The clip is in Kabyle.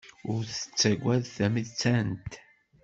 Ur tettagad tamettant.